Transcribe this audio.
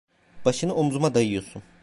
Başını omuzuma dayıyorsun…